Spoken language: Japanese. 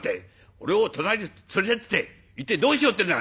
俺を隣に連れてって一体どうしようってんだ！」。